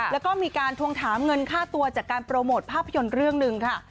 แล้วก็มีการทวงถามเงินค่าตัวจากการโปรโมทภาพยนตร์เรื่องหนึ่งค่ะ